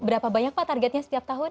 berapa banyak pak targetnya setiap tahun